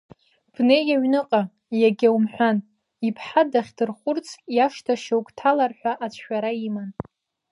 Бнеи аҩныҟа, иагьа умҳәан, иԥҳа дахьдырхәырц иашҭа шьоук ҭалар ҳәа ацәшәара иман.